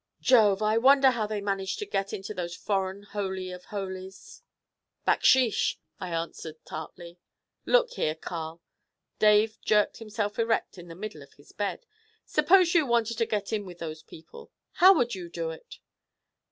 'Jove! I wonder how they managed to get into those foreign holy of holies.' 'Backsheesh,' I answered tartly. 'Look here, Carl!' Dave jerked himself erect in the middle of his bed. 'Suppose you wanted to get in with those people, how would you do it?'